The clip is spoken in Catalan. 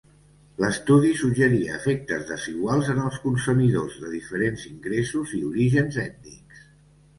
L'estudi suggeria efectes desiguals en els consumidors de diferents ingressos i orígens ètnics.